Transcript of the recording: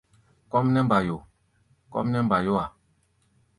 Kɔ́ʼm nɛ́ mbayo! kɔ́ʼm nɛ́ mbayó-a.